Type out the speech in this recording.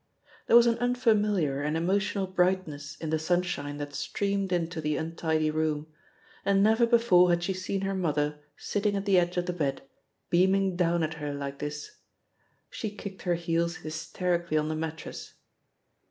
There was an unfamiliar and emotional brightness in the sunshine that streamed into the untidy room, and never before had she seen her mother sitting at the edge of the bed, beaming down at her like this. She kicked her heels hysterically on the mattress.